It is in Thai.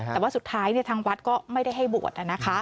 แต่ว่าสุดท้ายทางวัดก็ไม่ได้ให้บวช